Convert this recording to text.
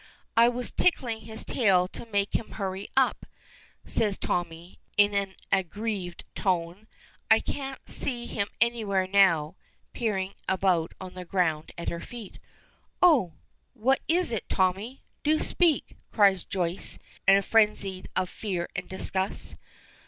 I was tickling his tail to make him hurry up," says Tommy, in an aggrieved tone. "I can't see him anywhere now," peering about on the ground at her feet. "Oh! What was it, Tommy? Do speak!" cries Joyce, in a frenzy of fear and disgust.